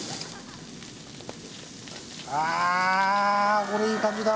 あーこれいい感じだ